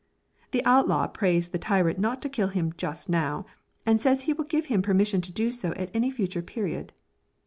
The outlaw prays the tyrant not to kill him just now, and says he will give him permission to do so at any future period.